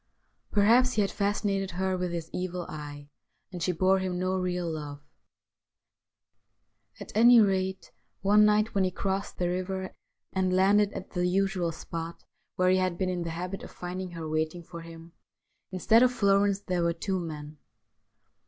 Perhaps he had fascinated her with his evil eye, and she bore him no real love. At any rate, one night when he crossed the river and landed at the usual spot, where he had been in the habit of finding her waiting for him, instead THE WHITE WITCH OF THE RIVER i 7 of Florence there were two men.